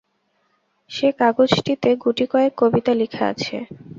সে কাগজটিতে গুটিকয়েক কবিতা লিখা আছে।